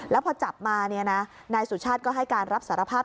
แล้วพอจับมานายสุชาติก็ให้การรับสารภาพ